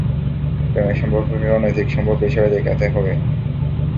প্রেমের সম্পর্ককে অনৈতিক সম্পর্ক হিসাবে দেখাতে হবে।